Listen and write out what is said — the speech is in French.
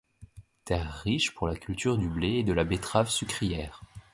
Terre riche pour la culture du blé et de la betterave sucrière.